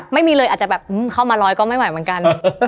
ไม่มีเลยอาจจะแบบเข้ามาร้อยก็ไม่ไหวเหมือนกัน